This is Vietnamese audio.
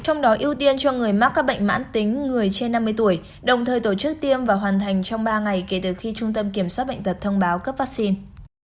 trong đó ưu tiên cho người mắc các bệnh mãn tính người trên năm mươi tuổi đồng thời tổ chức tiêm và hoàn thành trong ba ngày kể từ khi trung tâm kiểm soát bệnh tật thông báo cấp vaccine